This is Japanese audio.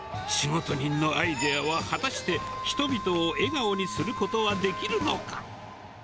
仕事人のアイデアは果たして、人々を笑顔にすることはできるのか。